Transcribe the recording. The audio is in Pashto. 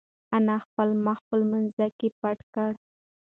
انا خپل مخ په لمانځه کې پټ کړ.